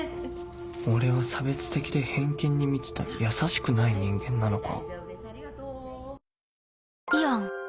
俺は差別的で偏見に満ちた優しくない人間なのか？